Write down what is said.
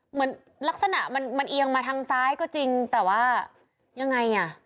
เหมือนลักษณะมันเอียงมาทางซ้ายก็จริงแต่ว่ายังไงอ่ะ